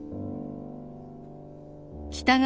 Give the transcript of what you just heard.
北川